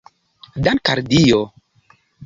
Dank' al Dio!